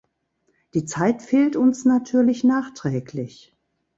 Die Zeit fehlt uns natürlich nachträglich.